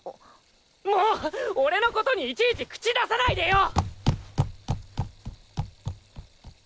もう俺のことにいちいち口出さないでよ！！